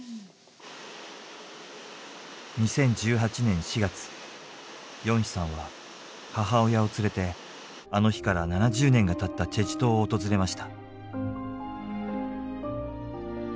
２０１８年４月ヨンヒさんは母親を連れてあの日から７０年がたった済州島を訪れました。